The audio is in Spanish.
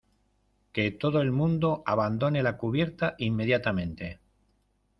que todo el mundo abandone la cubierta inmediatamente.